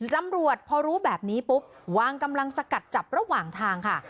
ตำรวจพอรู้แบบนี้ปุ๊บวางกำลังสกัดจับระหว่างทางค่ะ